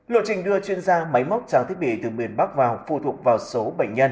lộ trình đưa chuyên gia máy móc trang thiết bị từ miền bắc vào phụ thuộc vào số bệnh nhân